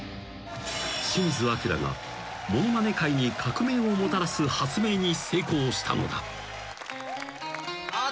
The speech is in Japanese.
［清水アキラがものまね界に革命をもたらす発明に成功したのだ］